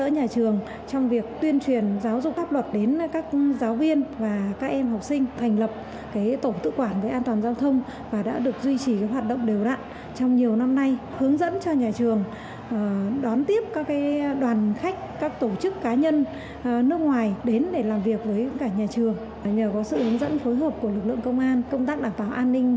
nhờ có sự hướng dẫn phối hợp của lực lượng công an công tác đảm bảo an ninh trật tự trong nhà trường đã được đảm bảo